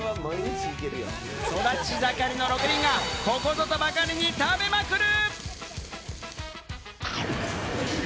育ち盛りの６人が、ここぞとばかりに食べまくる！